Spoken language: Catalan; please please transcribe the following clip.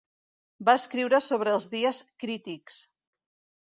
Va escriure sobre els dies crítics.